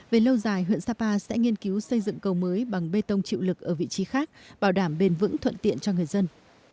về lâu dài huyện sapa sẽ nghiên cứu xây dựng cầu mới bằng bê tông chịu lực ở vị trí khác bảo đảm bền vững thuận tiện cho người dân